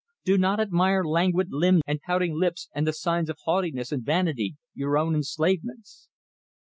Do not admire languid limbs and pouting lips and the signs of haughtiness and vanity, your own enslavements.